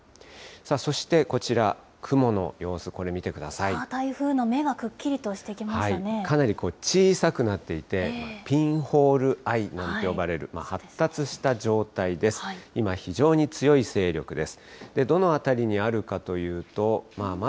そしてこちら、雲の様子、これ見台風の目がくっきりとしてきかなり小さくなっていて、ピンホールアイなんて呼ばれる発達した状態です。